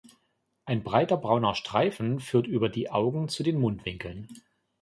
Ein breiter brauner Streifen führt über die Augen zu den Mundwinkeln.